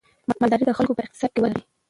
مالداري د خلکو په اقتصاد کې ونډه لري.